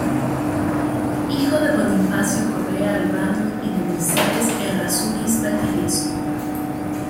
Hijo de Bonifacio Correa Albano y de Mercedes Errázuriz Valdivieso.